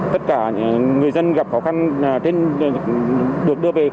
tất cả người dân gặp khó khăn trên đường đường sắt được đưa về quê lạc